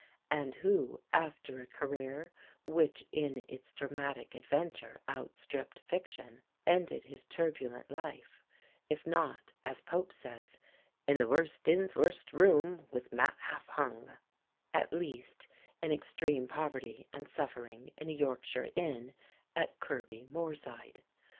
and who, after a career which in its dramatic adventure outstripped fiction, ended his turbulent life, if not, as Pope says, "In the worst inn's worst room, with mat half hung," at least in extreme poverty and suffering in a Yorkshire inn, at Kirby Moorside.